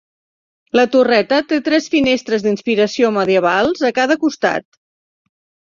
La torreta té tres finestres d'inspiració medievals a cada costat.